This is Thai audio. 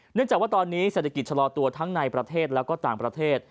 เนื่องจากว่าตอนนี้เศรษฐกิจชะลอตัวทั้งในประเทศและก็ต่างประเทศ